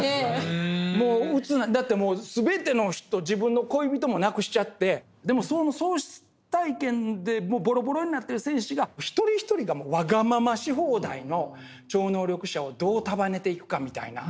だって全ての人自分の恋人も亡くしちゃってでもその喪失体験でボロボロになってる戦士が一人一人がワガママし放題の超能力者をどう束ねていくかみたいな。